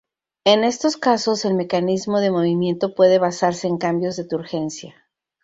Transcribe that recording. En estos casos, el mecanismo de movimiento puede basarse en cambios de turgencia.